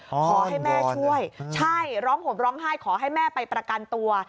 ขอให้แม่ช่วยจ้าขอให้แม่ไปประกันตัว